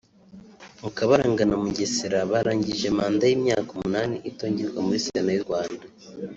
Mukabaranga na Mugesera barangije manda y’imyaka umunani itongerwa muri Sena y’u Rwanda